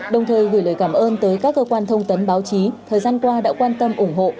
đồng thời gửi lời cảm ơn tới các cơ quan thông tấn báo chí thời gian qua đã quan tâm ủng hộ